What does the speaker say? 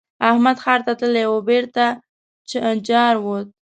احمد ښار ته تللی وو؛ بېرته جارووت.